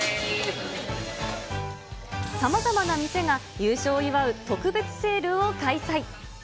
さまざまな店が、優勝を祝う特別セールを開催。